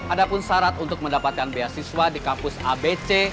ada pun syarat untuk mendapatkan beasiswa di kampus abc